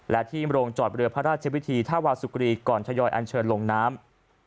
และที่โรงจอดเรือพระราชวิธีท่าวาสุกรีก่อนทยอยอันเชิญลงน้ำ